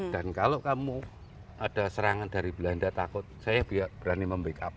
dan kalau kamu ada serangan dari belanda takut saya berani membackup